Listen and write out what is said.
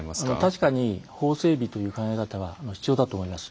確かに法整備という考え方は必要だと思います。